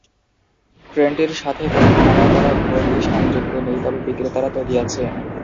ট্রেনটির সাথে কোন ভাড়া করা বগি সংযুক্ত নেই তবে বিক্রেতারা তৈরী আছে।